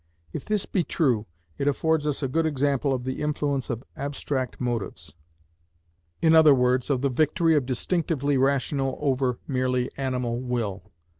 If this be true, it affords us a good example of the influence of abstract motives, i.e., of the victory of distinctively rational over merely animal will.